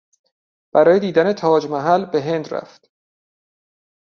برای دیدن تاج محل به هند رفت.